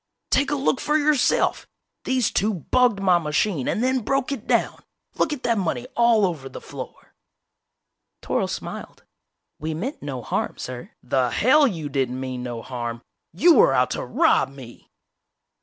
"Take a look for yourself! These two bugged my machine and then broke it down! Look at that money all over the floor!" Toryl smiled. "We meant no harm, sir " "The hell you didn't mean no harm! You were out to rob me!"